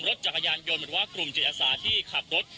รถจักรยานยนต์หรือว่ากลุ่มจิตอาสาที่ขับรถ